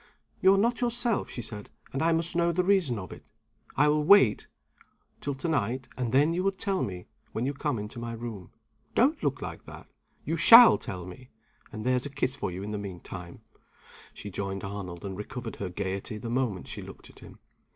"You are not yourself," she said, "and I must know the reason of it. I will wait till to night; and then you will tell me, when you come into my room. Don't look like that! You shall tell me. And there's a kiss for you in the mean time!" She joined Arnold, and recovered her gayety the moment she looked at him.